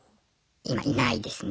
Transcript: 今いないですね。